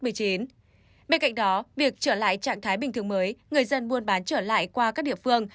bên cạnh đó việc trở lại trạng thái bình thường mới người dân buôn bán trở lại qua các địa phương